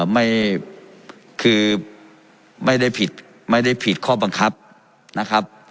ไม่คือไม่ได้ผิดไม่ได้ผิดข้อบังคับนะครับ